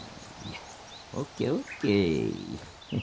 ＯＫＯＫ。